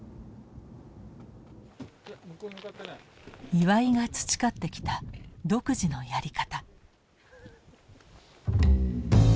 岩井が培ってきた独自のやり方。